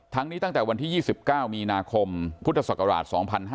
นี้ตั้งแต่วันที่๒๙มีนาคมพุทธศักราช๒๕๕๙